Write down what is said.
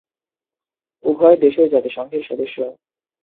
উভয় দেশই জাতিসংঘের সদস্য।